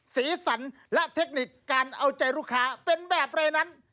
สีสันและเทคนิคการเอาใจลูกค้าเป็นแบบอะไรนั้น